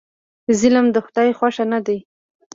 ظلم د خدای خوښ نه دی.